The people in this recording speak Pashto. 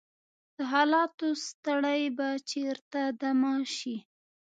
د حالاتو ستړی به چیرته دمه شي؟